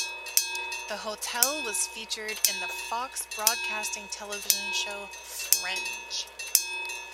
The hotel was featured in the Fox Broadcasting television show "Fringe".